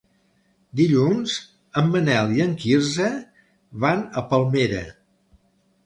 Dilluns en Manel i en Quirze van a Palmera.